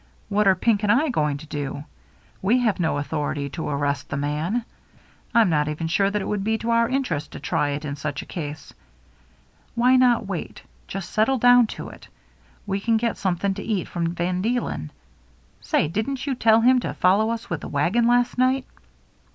What are Pink and I going to do? We have no authority to arrest the man. I'm not even sure that it would be to our interest to try it in such a case. Why not wait — just settle down to it. We can get something to eat from Van Deelen. Say, didn't you tell him to follow us with the wagon last night